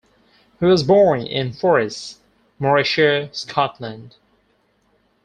He was born in Forres, Morayshire, Scotland.